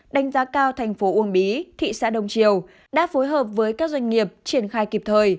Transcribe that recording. đánh giá cao thành phố uông bí thị xã đông triều đã phối hợp với các doanh nghiệp triển khai kịp thời